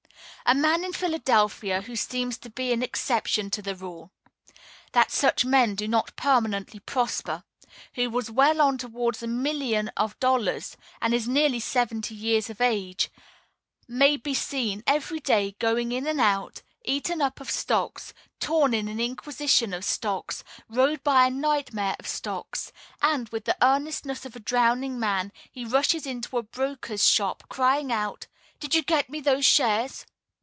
A man in Philadelphia, who seems to be an exception to the rule that such men do not permanently prosper who has well on towards a million of dollars, and is nearly seventy years of age, may be seen, every day, going in and out, eaten up of stocks, torn in an inquisition of stocks, rode by a nightmare of stocks; and, with the earnestness of a drowning man, he rushes into a broker's shop, crying out: "Did you get me those shares?"